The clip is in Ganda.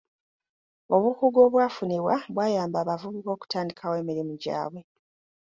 Obukugu obwafunibwa bwayamba abavubuka okutandikawo emirimu gyabwe.